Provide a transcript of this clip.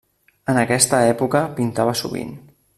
En aquesta època pintava sovint.